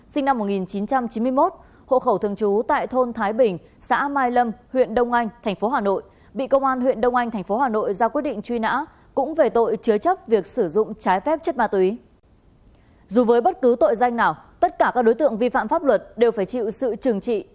xin chào và hẹn gặp lại